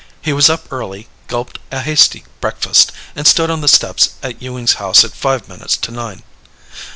He was up early, gulped a hasty breakfast, and stood on the steps at Ewing's house at five minutes to nine.